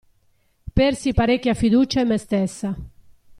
Persi parecchia fiducia in me stessa.